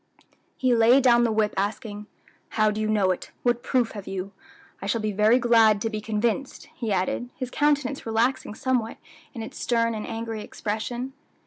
He laid down the whip asking, "How do you know it? what proof have you? I shall be very glad to be convinced," he added, his countenance relaxing somewhat in its stern and angry expression.